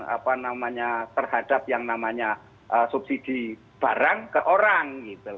apa namanya terhadap yang namanya subsidi barang ke orang gitu